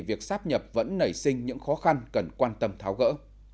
việc sắp nhập vẫn nảy sinh những khó khăn cần quan tâm tháo gỡ